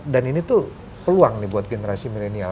dan ini tuh peluang nih buat generasi milenial